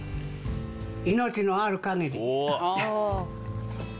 命のあるかぎり。